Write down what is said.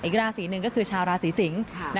อีกราศีหนึ่งก็คือชาวราศีสิงศ์